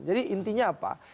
jadi intinya apa